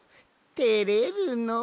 てれるのう。